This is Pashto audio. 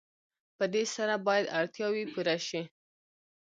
په دې سره باید اړتیاوې پوره شي.